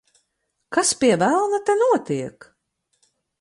Kas pie velna te notiek?